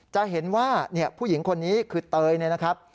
จะเห็นว่าผู้หญิงคนนี้คือเตยเนี่ยนะครับ